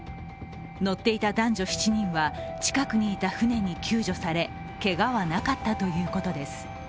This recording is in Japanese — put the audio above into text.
乗っていた男女７人は近くにいた船に救助されけがはなかったということです。